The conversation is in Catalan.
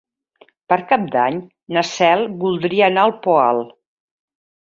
Per Cap d'Any na Cel voldria anar al Poal.